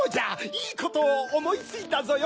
いいことをおもいついたぞよ！